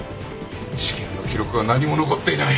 事件の記録は何も残っていない。